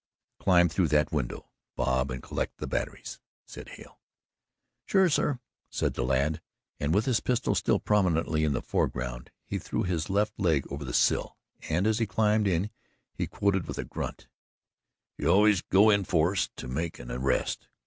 "Climb through that window, Bob, and collect the batteries," said Hale. "Sure, sir," said the lad, and with his pistol still prominently in the foreground he threw his left leg over the sill and as he climbed in he quoted with a grunt: "Always go in force to make an arrest."